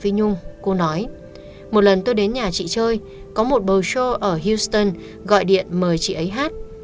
phi nhung cô nói một lần tôi đến nhà chị chơi có một bầu show ở houston gọi điện mời chị ấy hát